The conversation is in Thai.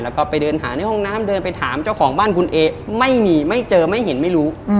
แล้วก็ไปเดินหาในห้องน้ำเดินไปถามเจ้าของบ้านคุณเอไม่มีไม่เจอไม่เห็นไม่รู้